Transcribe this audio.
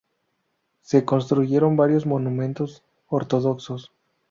Se construyeron varios monumentos ortodoxos.